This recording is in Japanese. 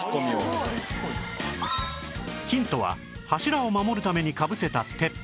ヒントは柱を守るためにかぶせた鉄板